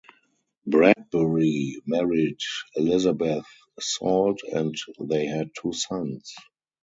Bradbury married Elizabeth Salt and they had two sons.